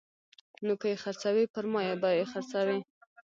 نو که یې خرڅوي پرما به یې خرڅوي